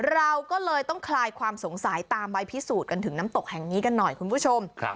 เราก็เลยต้องคลายความสงสัยตามใบพิสูจน์กันถึงน้ำตกแห่งนี้กันหน่อยคุณผู้ชม